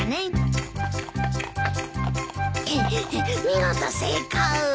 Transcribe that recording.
見事成功！